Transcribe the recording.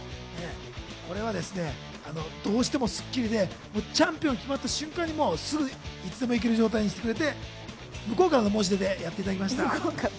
これはですね、どうしても『スッキリ』でチャンピオンが決まった瞬間にすぐいつでも行ける状態にしてくれて向こうからの申し出でやってくれました。